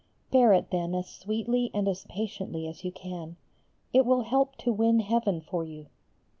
Bear it then as sweetly and as patiently as you can. It will help to win heaven for you.